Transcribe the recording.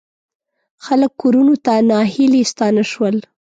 خلک کورونو ته ناهیلي ستانه شول.